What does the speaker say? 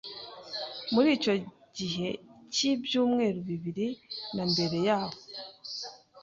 Muri icyo gihe cy’ibyumweru bibiri na mbere yahoo